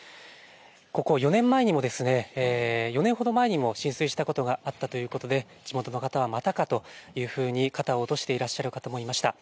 ここ、４年前にも、４年ほど前にも浸水したことがあったということで、地元の方はまたかというふうに、肩を落としていらっしゃる方もいました。